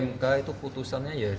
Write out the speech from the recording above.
mk itu putusannya ya